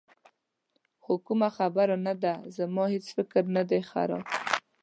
خو کومه خبره نه ده، زما هېڅ فکر نه دی خراب.